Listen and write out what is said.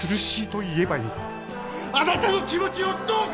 あなたの気持ちをどうか！